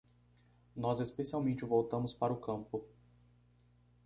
Nós especialmente voltamos para o campo